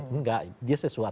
enggak dia sesuatu